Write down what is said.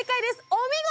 お見事！